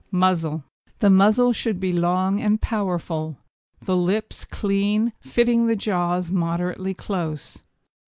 MUZZLE The muzzle should be long and powerful; the lips clean, fitting the jaws moderately close.